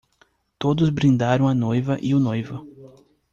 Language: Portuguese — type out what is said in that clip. Todos brindaram a noiva e o noivo.